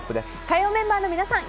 火曜メンバーの皆さん